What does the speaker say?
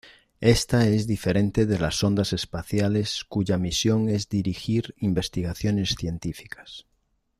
Esta es diferente de las sondas espaciales cuya misión es dirigir investigaciones científicas.